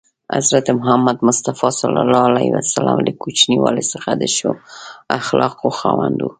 حضرت محمد ﷺ له کوچنیوالي څخه د ښو اخلاقو خاوند و.